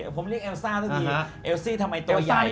ผมเรียกเอลซาสักที